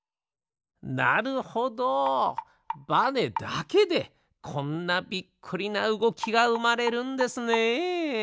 なるほどバネだけでこんなびっくりなうごきがうまれるんですね。